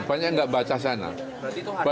banyak yang enggak baca sana